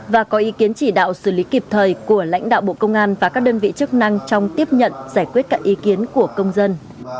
và có ý kiến chỉ đạo xử lý kịp thời của lãnh đạo bộ công an và các đơn vị chức năng trong tiếp nhận giải quyết các ý kiến của công dân